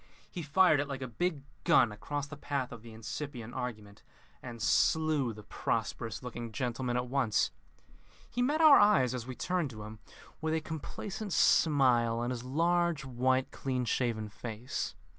He fired it like a big gun across the path of the incipient argument, and slew the prosperous looking gentleman at once. He met our eyes, as we turned to him, with a complacent smile on his large white, clean shaven face.